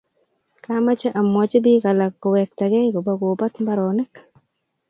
kamache amwachii biik alak kiwegtegei kobugobaat mbaronik